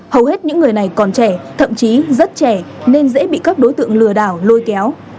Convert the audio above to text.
hầu hết những người này còn trẻ thậm chí rất trẻ nên dễ bị các đối tượng lừa đảo lôi kéo